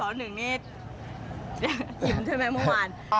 สอนหนึ่งนี่ชิมถึงมาเมื่อวาน